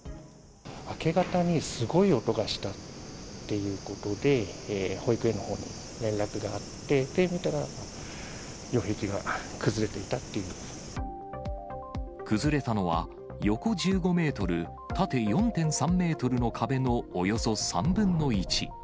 明け方にすごい音がしたっていうことで、保育園のほうに連絡があって、見たら、擁壁が崩れて崩れたのは、横１５メートル、縦４．３メートルの壁のおよそ３分の１。